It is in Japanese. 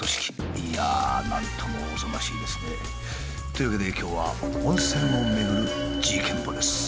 いやあなんともおぞましいですね。というわけで今日は温泉をめぐる事件簿です。